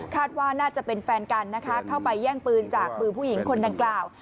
ว่าน่าจะเป็นแฟนกันนะคะเข้าไปแย่งปืนจากมือผู้หญิงคนดังกล่าว